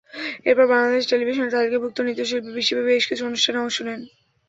এরপর বাংলাদেশ টেলিভিশনের তালিকাভুক্ত নৃত্যশিল্পী হিসেবে বেশ কিছু অনুষ্ঠানে অংশ নেন।